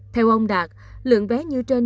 theo ông đạt lượng vé như trên